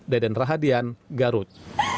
deden rahadian garut